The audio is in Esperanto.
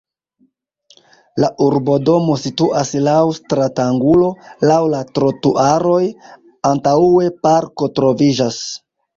La urbodomo situas laŭ stratangulo laŭ la trotuaroj, antaŭe parko troviĝas.